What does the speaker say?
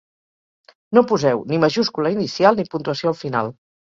No poseu ni majúscula inicial ni puntuació al final.